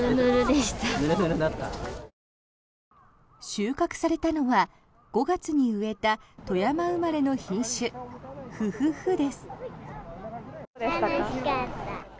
収穫されたのは５月に植えた富山生まれの品種、富富富です。